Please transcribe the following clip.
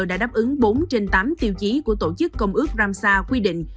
đã đáp ứng bốn trên tám tiêu chí của tổ chức công ước rám xa quy định